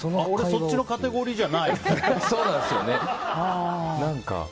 俺そっちのカテゴリーじゃない。